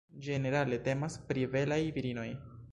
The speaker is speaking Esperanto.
Ĝenerale temas pri belaj virinoj.